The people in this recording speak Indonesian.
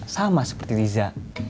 sama seperti diza